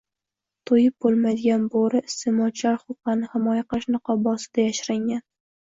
To'yib bo'lmaydigan bo'ri "iste'molchilar huquqlarini himoya qilish" niqobi ostida yashiringan